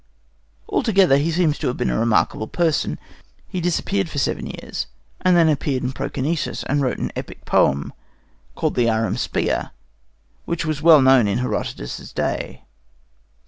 Altogether, he seems to have been a remarkable person. He disappeared for seven years, and then appeared in Proconesus and wrote an epic poem called Arimispea, which was well known in Herodotus's day.